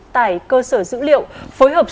tải cơ sở dữ liệu phối hợp